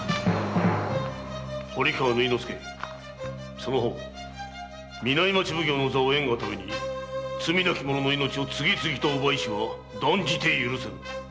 その方南町奉行の座を得んがために罪なき者の命を次々と奪いしは断じて許せん！